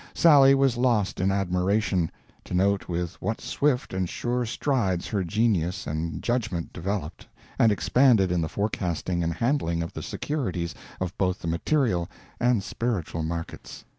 Sally was lost in admiration, to note with what swift and sure strides her genius and judgment developed and expanded in the forecasting and handling of the securities of both the material and spiritual markets.